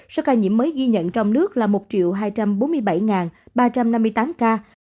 số ca nhiễm mới ghi nhận trong nước là một hai trăm bốn mươi bảy ba trăm năm mươi tám ca